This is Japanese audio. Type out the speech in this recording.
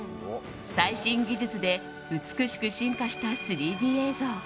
最新技術で美しく進化した３Ｄ映像。